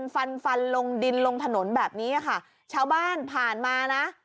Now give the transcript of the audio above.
ฟันฟันลงดินลงถนนแบบนี้ค่ะชาวบ้านผ่านมานะ